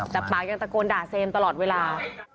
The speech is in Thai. แต่ปากยังตะโกนด่าเซมตลอดเวลา